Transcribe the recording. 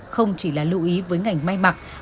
không chỉ là lưu ý với ngành may mặc